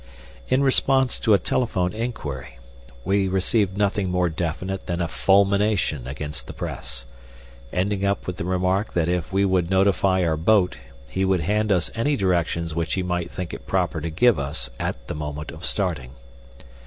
In response to a telephone inquiry, we received nothing more definite than a fulmination against the Press, ending up with the remark that if we would notify our boat he would hand us any directions which he might think it proper to give us at the moment of starting.